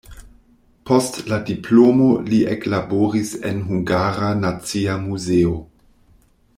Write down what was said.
Post la diplomo li eklaboris en Hungara Nacia Muzeo.